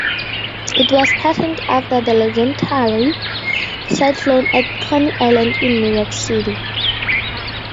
It was patterned after the legendary Cyclone at Coney Island in New York City.